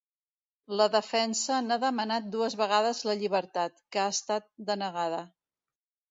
La defensa n’ha demanat dues vegades la llibertat, que ha estat denegada.